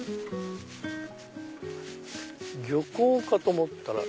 漁港かと思ったら。